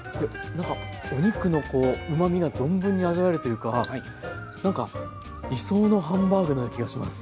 何かお肉のこううまみが存分に味わえるというか理想のハンバーグのような気がします。